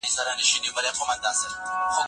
هغه فابریکه چي پروسږ کال جوړه سوه اوس وتړل سوه.